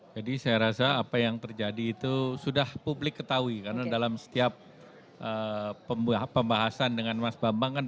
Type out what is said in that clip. jadi saya rasa apa yang terjadi itu sudah publik ketahui karena dalam setiap pembahasan dengan mas bamausatyo